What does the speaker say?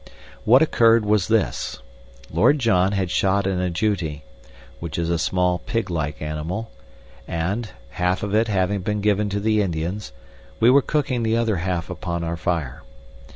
What occurred was this. Lord John had shot an ajouti which is a small, pig like animal and, half of it having been given to the Indians, we were cooking the other half upon our fire.